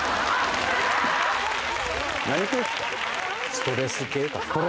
ストレス系かな。